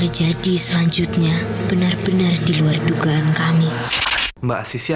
lo cerita sama kita sebenarnya ada apa sama lo dan aris